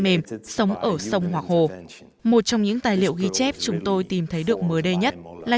mềm sống ở sông hoặc hồ một trong những tài liệu ghi chép chúng tôi tìm thấy được mới đây nhất là